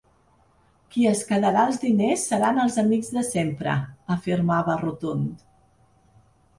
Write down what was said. “Qui es quedarà els diners seran els amics de sempre”, afirmava, rotund.